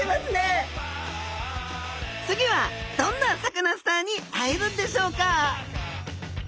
次はどんなサカナスターに会えるんでしょうか。